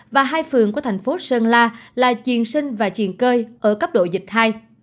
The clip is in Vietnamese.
và hai phường của thành phố sơn la là chiền sinh và chiền cơi ở cấp độ dịch hai